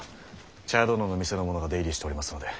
茶屋殿の店の者が出入りしておりますので。